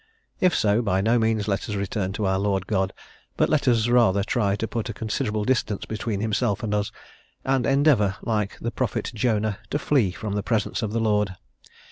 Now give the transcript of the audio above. If so, by no means let us return to our Lord God, but let us rather try to put a considerable distance between himself and us, and endeavour, like the prophet Jonah, to flee from the presence of the Lord.